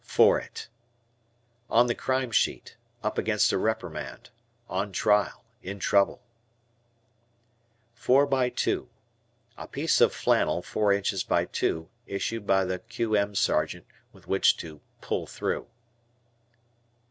"For It." On the crime sheet; up against a reprimand; on trial, in trouble. "Four by two." A piece of flannel four Inches by two issued by the Q. M. Sergeant with which to "pull through."